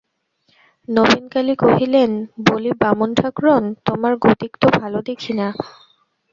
নবীনকালী কহিলেন, বলি বামুন-ঠাকরুন, তোমার গতিক তো ভালো দেখি না।